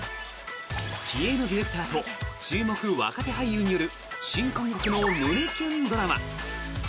気鋭のディレクターと注目若手俳優による新感覚の胸キュンドラマ！